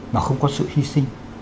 mà không có sự hy sinh